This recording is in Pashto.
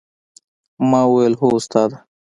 ما وويل هو استاده.